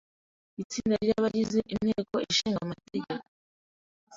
Itsinda ry’abagize inteko ishinga amategeko